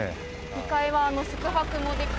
２階は宿泊もできて。